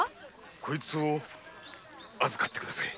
こいつを預かってくだせぇ。